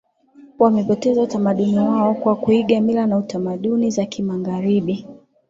Wamepoteza utamaduni wao kwa kuiga mila na tamaduni za kimagharibi